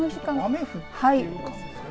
雨降ってる感じですかね。